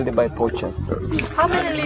đây là con voi của mẹ